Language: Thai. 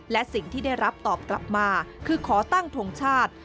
และสิ่งที่ได้รับตอบกลับมาคือขอตั้งทงชาติ